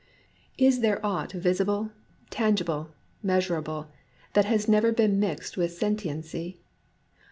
Is there aught visible, tangible, measurable, that has never been mixed with sentiency